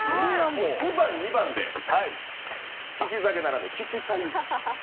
１番、２番で利き酒ならぬ利きさ湯